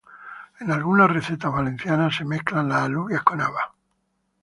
En algunas recetas valencianas se mezclan las alubias con habas.